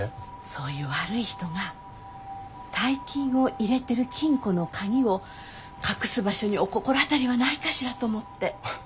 そういう悪い人が大金を入れてる金庫の鍵を隠す場所にお心当たりはないかしらと思って。